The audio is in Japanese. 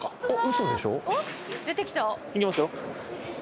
行きますよ。